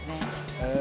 へえ！